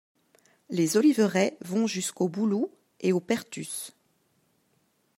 Les oliveraies vont jusqu'au Boulou et au Perthus.